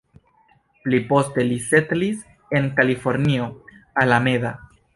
Pli poste li setlis en Kalifornio, Alameda.